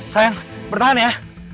sayang bertahan ya